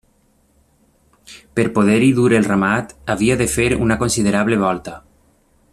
Per poder-hi dur el ramat, havia de fer una considerable volta.